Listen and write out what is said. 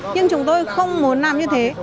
nhưng chúng tôi không muốn làm như thế